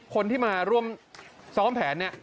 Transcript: คนที่มาร่วมซ้อมแผนเนี่ย